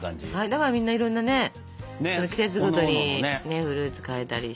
だからみんないろんなね季節ごとにフルーツ替えたりしたくなっちゃうんだろうね。